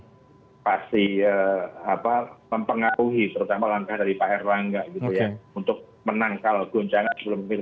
jadi mempengaruhi terutama langkah dari pak herlangga gitu ya untuk menang kalau goncangan sebelum itu